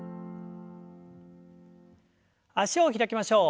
脚を開きましょう。